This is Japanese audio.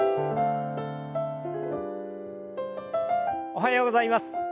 おはようございます。